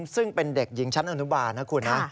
ซึ่งเป็นเด็กหญิงชั้นอนุบาลนะคุณนะ